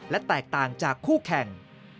และแตกต่างจากคู่แข่ง